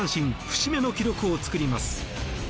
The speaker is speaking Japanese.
節目の記録を作ります。